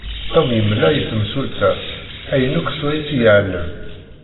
Tom yemla i temsulta ayen akk s wayes i yeεlem.